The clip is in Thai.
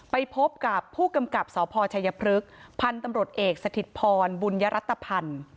ไปพบกับผู้กำกับสพชัยพฤกษ์พันธุ์ตำรวจเอกสถิตพรบุญยรัตภัณฑ์